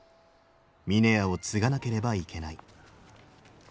峰屋を継がなければいけない。